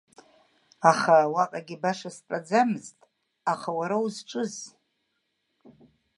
Аха уаҟагь баша стәаӡамызт, аха уара узҿыыз?